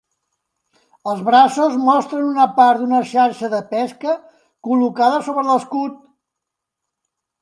Els braços mostren una part d'una xarxa de pesca col·locada sobre l'escut.